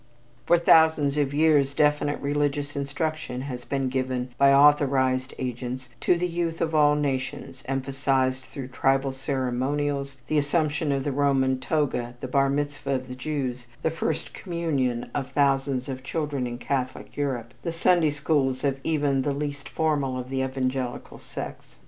For thousands of years definite religious instruction has been given by authorized agents to the youth of all nations, emphasized through tribal ceremonials, the assumption of the Roman toga, the Barmitzvah of the Jews, the First Communion of thousands of children in Catholic Europe, the Sunday Schools of even the least formal of the evangelical sects.